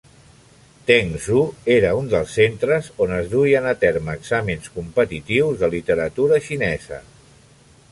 Tengzhou era un dels centres on es duien a terme exàmens competitius de literatura xinesa.